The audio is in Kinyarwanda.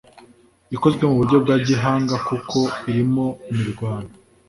Ikozwe mu buryo bwa gihanga kuko irimo imirwano